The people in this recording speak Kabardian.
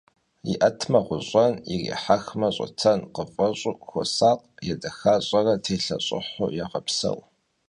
ИӀэтмэ, гъущӀэн, ирихьэхмэ, щӀытэн къыфэщӀу, хуосакъ, едэхащӀэрэ телъэщӀыхьу егъэпсэу.